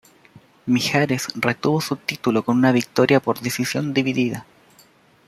Mijares retuvo su título con una victoria por decisión dividida.